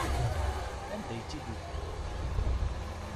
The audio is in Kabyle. Anda ay tt-id-ufan?